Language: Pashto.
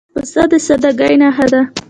پسه د سادګۍ نښه ده.